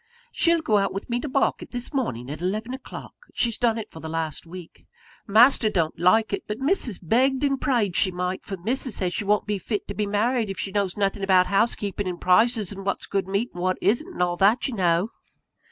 She'll go out with me to market, this morning, at eleven o'clock. She's done it for the last week. Master don't like it; but Missus begged and prayed she might; for Missus says she won't be fit to be married, if she knows nothing about housekeeping, and prices, and what's good meat, and what isn't, and all that, you know."